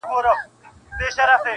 جوړ له انګورو څه پیاله ستایمه,